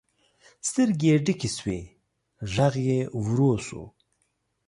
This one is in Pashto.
سترګې یې ډکې شوې، غږ یې ورو شو.